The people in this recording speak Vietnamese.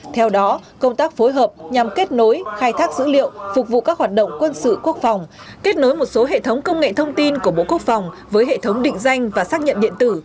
theo đó công tác phối hợp nhằm kết nối khai thác dữ liệu phục vụ các hoạt động quân sự quốc phòng kết nối một số hệ thống công nghệ thông tin của bộ quốc phòng với hệ thống định danh và xác nhận điện tử